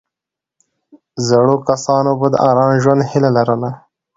زړو کسانو به د آرام ژوند هیله لرله.